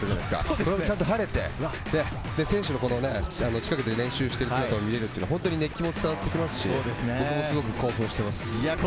それも晴れて、選手が近くで練習している姿も見れるというのは熱気も伝わってきますし、ものすごく興奮しています。